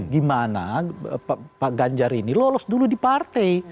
gimana pak ganjar ini lolos dulu di partai